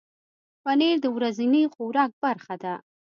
پنېر د ورځني خوراک برخه ده.